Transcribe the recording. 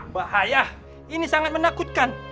bahaya ini sangat menakutkan